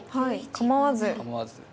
構わず。